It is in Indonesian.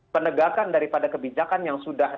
penegakan daripada kebijakan yang sudah